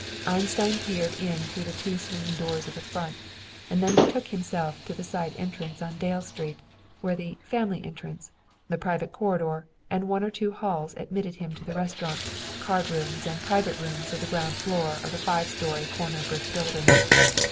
Einstein peered in through the two swinging doors of the front, and then betook himself to the side entrance on Dale Street, where the "Family Entrance," the private corridor, and one or two halls admitted him to the restaurant, card rooms and private rooms of the ground floor of the five story corner brick building.